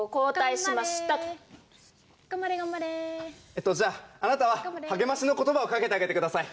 えっとじゃああなたは励ましの言葉をかけてあげてください。